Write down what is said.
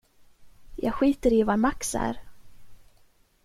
Jag skiter i var Max är!